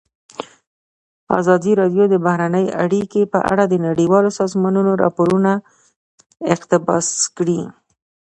ازادي راډیو د بهرنۍ اړیکې په اړه د نړیوالو سازمانونو راپورونه اقتباس کړي.